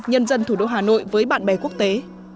nhân dân thủ đô hà nội với bạn bè quốc tế